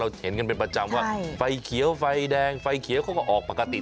เห็นกันเป็นประจำว่าไฟเขียวไฟแดงไฟเขียวเขาก็ออกปกติ